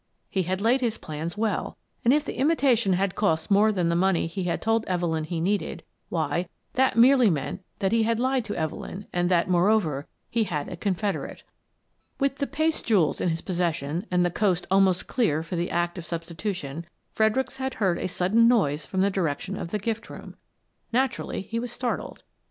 He had laid his plans well, and if the imitation had cost more than the money he had told Evelyn he needed, why, that merely meant that he had lied to Evelyn and that, moreover, he had a confederate. With the paste jewels in his possession and the coast almost clear for the act of substitution, Fred ericks had heard a sudden noise from the direction of the gift room. Naturally, he was startled.